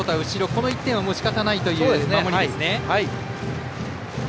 この１点はしかたないという守りです。